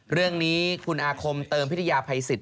เรื่องนี้คุณอาคมเติมพิทยาภัยสิทธ